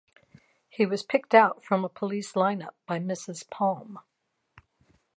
He was picked out from a police lineup by Mrs Palme.